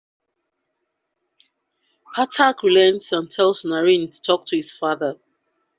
Pathak relents and tells Naren to talk to his father.